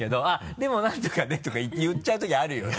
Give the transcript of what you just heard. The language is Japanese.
でも何とかで」とか言っちゃうときあるよね。